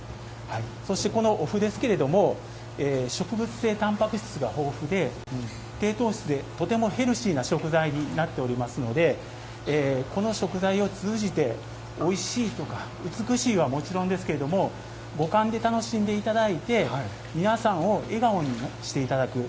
そして、このお麩ですが植物性たんぱく質が豊富で、低糖質でとてもヘルシーな食材になっていますのでこの食材を通じておいしいとか美しいは、もちろんですけれども五感で楽しんでいただいて皆さんを笑顔にしていただく。